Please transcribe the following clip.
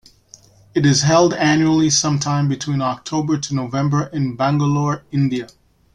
It is held annually sometime between October to November in Bangalore, India.